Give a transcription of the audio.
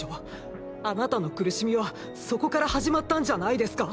あなたの苦しみはそこから始まったんじゃないですか？